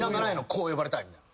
こう呼ばれたいみたいな。